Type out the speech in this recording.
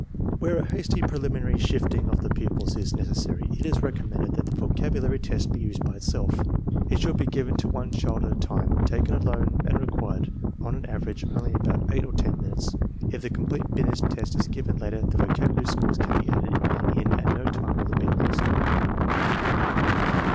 Where a hasty preliminary sifting of the pupils is necessary it is recommended that the vocabulary test be used by itself. It should be given to one child at a time, taken alone, and requires on an average only about eight or ten minutes. If the complete Binet test is given later the vocabulary scores can be added in and no time will have been lost.